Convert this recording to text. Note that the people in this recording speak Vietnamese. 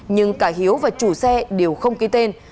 nhưng cả hiếu và chủ xe đều không ký tên